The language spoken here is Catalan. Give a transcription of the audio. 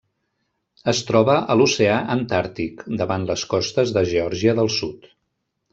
Es troba a l'Oceà Antàrtic: davant les costes de Geòrgia del Sud.